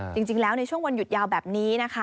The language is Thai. จริงแล้วในช่วงวันหยุดยาวแบบนี้